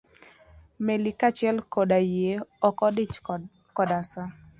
meli kaa achiel koda yie ok odich koda sa.